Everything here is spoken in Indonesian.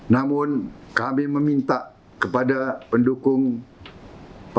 namun kami meminta kepada pendukung prabowo gibran